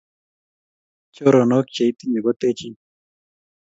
choronok cheitinye kotechin